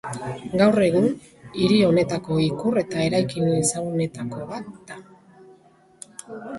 Gaur egun, hiri honetako ikur eta eraikin ezagunetako bat da.